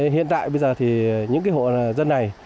hiện tại bây giờ thì những hộ dân này